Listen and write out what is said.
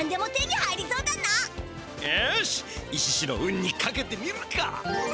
よしイシシの運にかけてみるか。